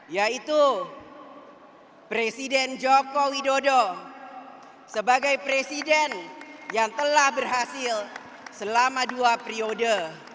yaitu presiden joko widodo sebagai presiden yang telah berhasil selama dua periode